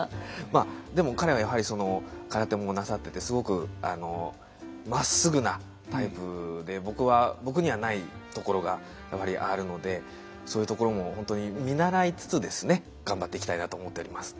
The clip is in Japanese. まあでも彼はやはり空手もなさっててすごく真っ直ぐなタイプで僕にはないところがやっぱりあるのでそういうところも本当に見習いつつですね頑張っていきたいなと思っております。